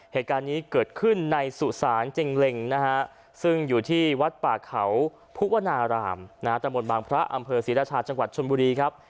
เหตุการณ์นี้เกิดขึ้นในสุสานเจงเล็งนะฮะซึ่งอยู่ที่วัดป่าเขาภูวนารามตะมนต์บางพระอำเภอศรีราชาจังหวัดชนบุรีครับ